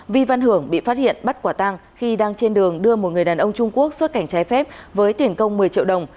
vi văn hưởng bị phát hiện bắt quả tăng khi đang trên đường đưa một người đàn ông trung quốc xuất cảnh trái phép với tiền công một mươi triệu đồng